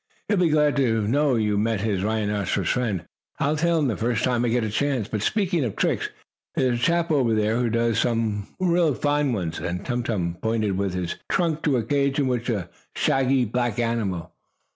He'll be glad to know you met his rhinoceros friend. I'll tell him the first time I get a chance. But, speaking of tricks, there's a chap over there who does some fine ones," and Tum Tum pointed with his trunk to a cage in which was a shaggy, black animal.